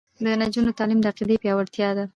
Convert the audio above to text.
د نجونو تعلیم د عقیدې پیاوړتیا ده.